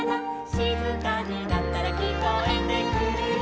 「しずかになったらきこえてくるよ」